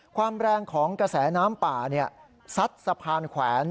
ความแรงของกระแสน้ำป่าซัดสะพานแขวน